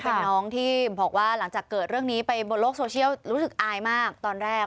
เป็นน้องที่บอกว่าหลังจากเกิดเรื่องนี้ไปบนโลกโซเชียลรู้สึกอายมากตอนแรก